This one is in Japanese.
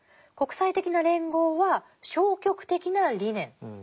国際的な連合は「消極的な理念」。